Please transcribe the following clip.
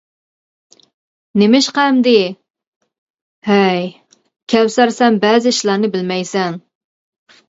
-نېمىشقا ئەمدى؟ -ھەي، كەۋسەر سەن بەزى ئىشلارنى بىلمەيسەن.